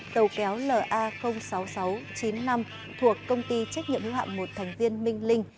tàu kéo la sáu mươi sáu chín mươi năm thuộc công ty trách nhiệm hữu hạng một thằng viên minh linh